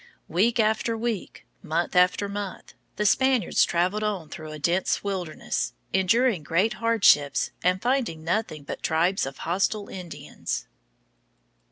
Week after week, month after month, the Spaniards traveled on through a dense wilderness, enduring great hardships and finding nothing but tribes of hostile Indians.